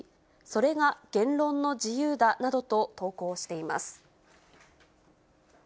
それが言論の自由だなどと投稿しています。